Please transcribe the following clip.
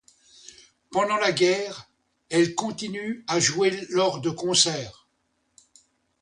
Pendant la guerre, elle continue à jouer lors de concerts.